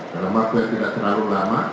dalam waktu yang tidak terlalu lama